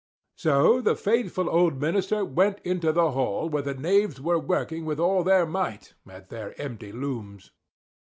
So the faithful old minister went into the hall, where the knaves were working with all their might, at their empty looms.